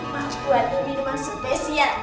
mak buat minuman spesial